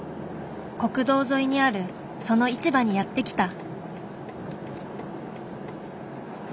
国道沿いにあるその市場にやって来た。